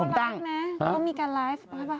เขามีการไลฟ์ไหมครับ